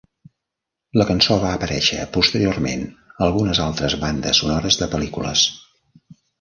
La cançó va aparèixer posteriorment a algunes altres bandes sonores de pel·lícules.